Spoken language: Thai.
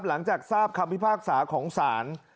หลังจากทราบคำพิพากษาของศาล